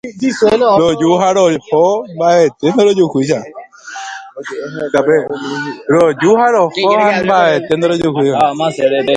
Roju ha roho ha mba'evete ndorojuhúi.